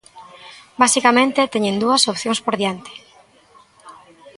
Basicamente teñen dúas opcións por diante.